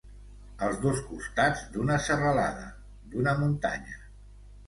Els dos costats d'una serralada, d'una muntanya.